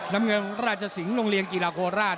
น้ำเงินราชสิงห์โรงเรียนกีฬาโคราช